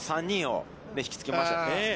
３人を引きつけました。